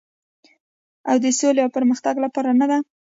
آیا د سولې او پرمختګ لپاره نه ده؟